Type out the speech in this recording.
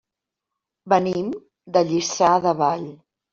Venim de Lliçà de Vall.